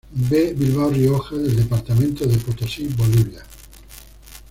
B. Bilbao Rioja del departamento de Potosí Bolivia.